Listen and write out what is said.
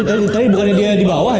tadi bukan dia dibawah ya